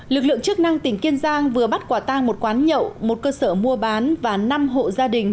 lực lượng chức năng tỉnh kiên giang vừa bắt quả tang một quán nhậu một cơ sở mua bán và năm hộ gia đình